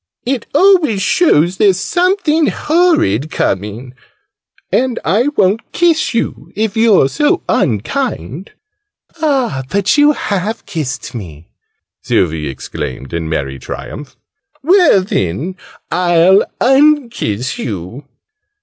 "It always show's there's something horrid coming! And I won't kiss you, if you're so unkind." "Ah, but you have kissed me!" Sylvie exclaimed in merry triumph. "Well then, I'll unkiss you!"